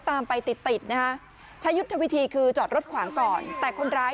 ตามไปติดติดนะฮะใช้ยุทธวิธีคือจอดรถขวางก่อนแต่คนร้าย